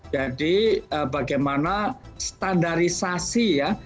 jadi bagaimana standarisasi ya